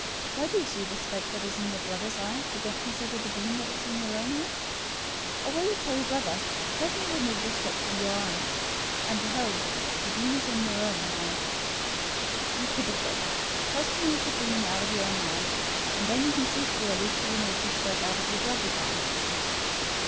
007:003 Why do you see the speck that is in your brother's eye, but don't consider the beam that is in your own eye? 007:004 Or how will you tell your brother, 'Let me remove the speck from your eye;' and behold, the beam is in your own eye? 007:005 You hypocrite! First remove the beam out of your own eye, and then you can see clearly to remove the speck out of your brother's eye.